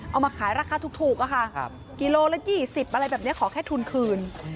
เอามาขายราคาถูกอะค่ะกิโลละ๒๐อะไรแบบนี้ขอแค่ทุนคืน